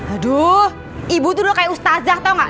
aduh ibu tuh udah kayak ustazah tau nggak